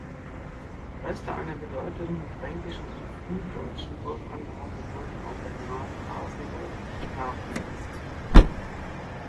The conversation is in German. Reste einer bedeutenden fränkischen und frühdeutschen Burganlage wurden auf der nahen Hasenburg nachgewiesen.